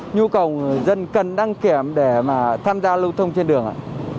nhu cầu người dân cần đăng kiểm để mà tham gia lưu thông trên đường ạ